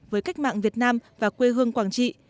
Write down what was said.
với cách mạng việt nam và quê hương quảng trị